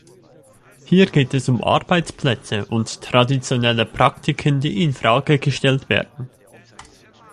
Hier geht es um Arbeitsplätze und traditionelle Praktiken, die in Frage gestellt werden.